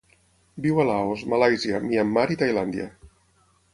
Viu a Laos, Malàisia, Myanmar i Tailàndia.